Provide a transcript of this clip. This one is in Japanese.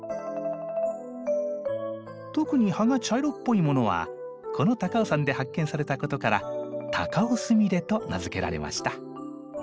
特に葉が茶色っぽいものはこの高尾山で発見されたことから「タカオスミレ」と名付けられました。